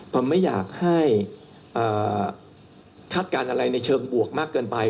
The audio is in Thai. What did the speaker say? ผมไม่อยากให้คาดการณ์อะไรในเชิงบวกมากเกินไป